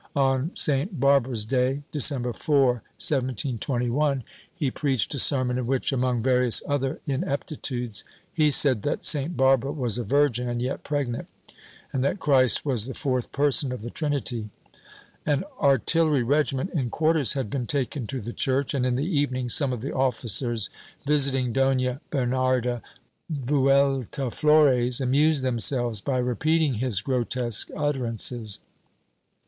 On St. Barbara's day, December 4, 1721, he preached a sermon in which, among various other ineptitudes, he said that St. Barbara was a virgin and yet pregnant, and that Christ was the fourth person of the Trinity. An artillery regiment in quarters had been taken to the church and, in the evening, some of the officers, visit ing Dona Bernarda Vueltaflores, amused themselves by repeating his grotesque utterances.